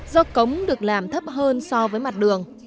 do cống được làm thấp hơn so với mặt đường